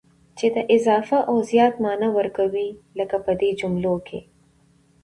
چي د اضافه او زيات مانا ور کوي، لکه په دې جملو کي: